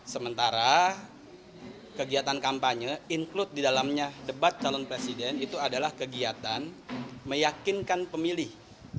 sementara kegiatan kampanye include di dalamnya debat calon presiden itu adalah kegiatan meyakinkan pemilih